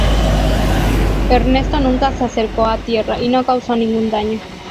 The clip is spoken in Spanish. Ernesto nunca se acercó a tierra y no causó ningún daño.